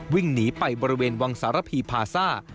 วิ่งหนีไปบริเวณวังสารพีพาซ่า